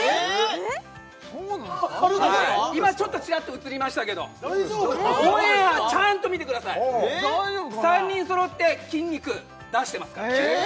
今ちょっとチラッと映りましたけどオンエアちゃんと見てくださいほお３人揃って筋肉出してますからえ！